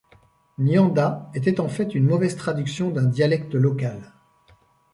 Nyanda était en fait une mauvaise traduction d'un dialecte local.